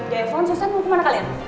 devon susan mau kemana kalian